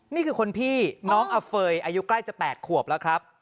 นี่คือคนพี่น้องอเฟย์อายุใกล้จะ๘ขวบแล้วครับ